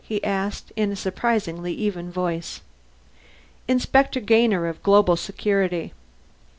he asked, in a surprisingly even voice. "Inspector Gainer of Global Security."